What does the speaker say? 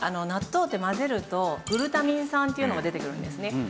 納豆って混ぜるとグルタミン酸っていうのが出てくるんですね。